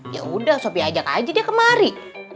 yaudah sopi ajak aja dia kemari